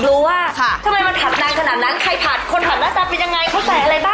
สำนักอย่างนี้ผมก็รอครับ